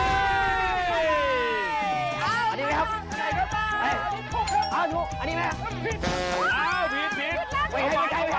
เอาทางแกะส้าม